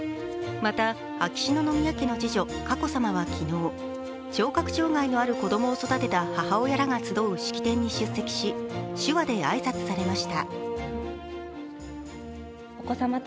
また、秋篠宮家の次女・佳子さまは昨日、聴覚障害のある子供を育てた母親らが集う式典に出席し手話で挨拶されました。